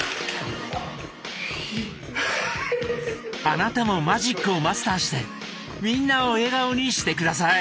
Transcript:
あなたもマジックをマスターしてみんなを笑顔にして下さい！